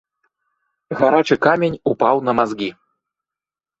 Гарачы камень упаў на мазгі.